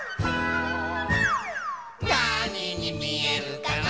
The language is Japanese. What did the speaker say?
なににみえるかな